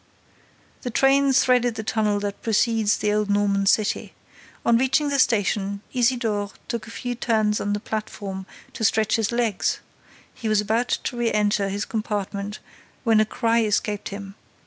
The train threaded the tunnel that precedes the old Norman city. On reaching the station, Isidore took a few turns on the platform to stretch his legs. He was about to re enter his compartment, when a cry escaped him.